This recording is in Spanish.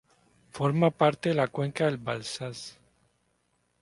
Forma parte de la cuenca del Balsas.